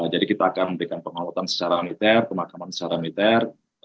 jadi kita akan memberikan pengawatan secara militer pemakaman secara militer